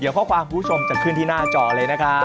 เดี๋ยวข้อความคุณผู้ชมจะขึ้นที่หน้าจอเลยนะครับ